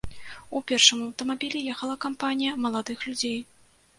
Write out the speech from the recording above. У першым аўтамабілі ехала кампанія маладых людзей.